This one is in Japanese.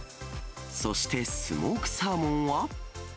そしてスモークサーモンは。